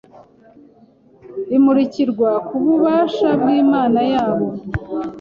bimurikirwa kububasha bw'Imana yabo